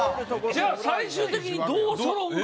じゃあ最終的にどうそろうの？